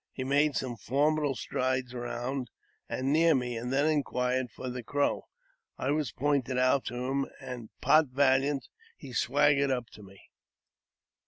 He made some formidable strides round ^ and near me, and then inquired for the Crow. I was pointed out to him, and, pot valiant, he swaggered up to me.